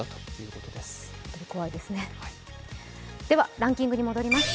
ランキングに戻ります。